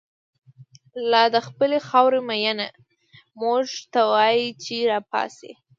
لادخپلی خاوری مینه، موږ ته وایی چه راپاڅئ